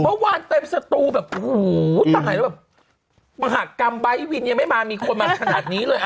เมื่อวานเต็มสตูแบบโอ้โหตายแล้วแบบมหากรรมไบท์วินยังไม่มามีคนมาขนาดนี้เลย